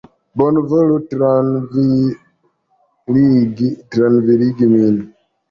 Bonvolu trankviligi min.